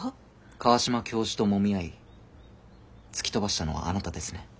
川島教授と揉み合い突き飛ばしたのはあなたですね？